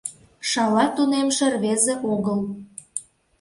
Шала тунемше рвезе огыл.